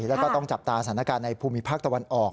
แล้วก็ต้องจับตาสถานการณ์ในภูมิภาคตะวันออก